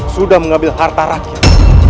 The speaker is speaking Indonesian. sudah mengambil harta rakyat